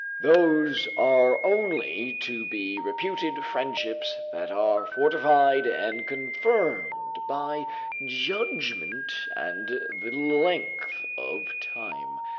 ["Those are only to be reputed friendships that are fortified and confirmed by judgement and the length of time."